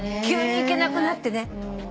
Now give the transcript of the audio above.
急に行けなくなってね。